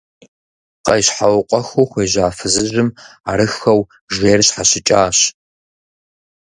Къещхьэукъуэхыу хуежьа фызыжьым арыххэу жейр щхьэщыкӀащ.